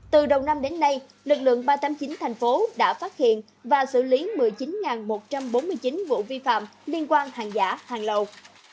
từ đầu năm đến nay lực lượng ba trăm tám mươi chín thành phố đã phát hiện và xử lý một mươi chín một trăm bốn mươi chín vụ vi phạm liên quan hàng giả hàng lậu